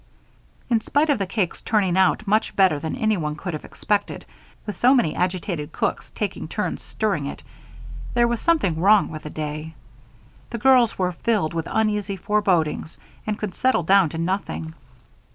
In spite of the cake's turning out much better than anyone could have expected, with so many agitated cooks taking turns stirring it, there was something wrong with the day. The girls were filled with uneasy forebodings and could settle down to nothing.